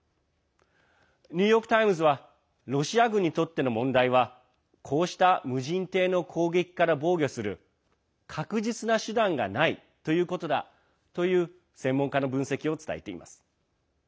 ニューヨーク・タイムズはロシア軍にとっての問題はこうした無人艇の攻撃から防御する確実な手段がないということだという専門家の分析を伝えています。